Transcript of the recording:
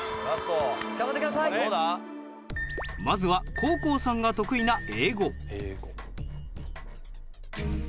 まずは黄皓さんが得意な英語。